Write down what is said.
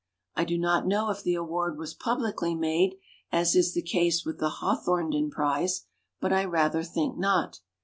I do not know if the award was publicly made, as is the case with the Hawthornden prize; but I rather think not.